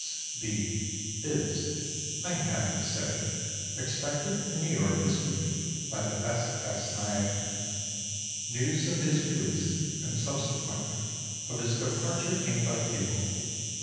W—— S—— B—— is, I am happy to say, expected in New York this week by the S. S. Niagara. News of his release and subsequently of his departure came by cable.